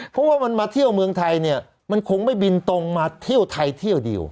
เพราะว่ามันมาเที่ยวเมืองไทยเนี่ยมันคงไม่บินตรงมาเที่ยวไทยเที่ยวเดียว